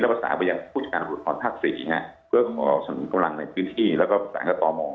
และรับประสานเพลงรับประสานปรุงจิตอบภาค๔